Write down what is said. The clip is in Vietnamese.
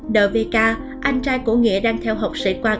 đờ vk anh trai của nghĩa đang theo học sĩ quan